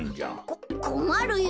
ここまるよ。